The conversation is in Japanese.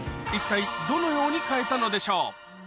一体どのように変えたのでしょう？